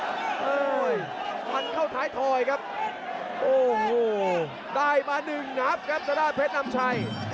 โอ้โหมันเข้าท้ายถอยครับโอ้โหได้มาหนึ่งครับครับตระดาษแพทย์น้ำชัย